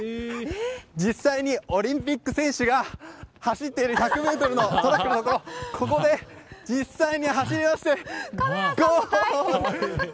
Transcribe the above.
実際にオリンピック選手が走っている１００ｍのトラックをここで実際に走らせてもらいゴール！